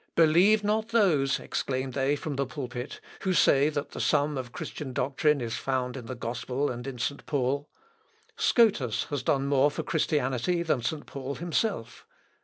"Believe not those," exclaimed they from the pulpit, "who say that the sum of Christian doctrine is found in the Gospel and in St. Paul. Scotus has done more for Christianity than St. Paul himself.